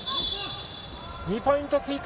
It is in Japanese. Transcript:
２ポイント追加。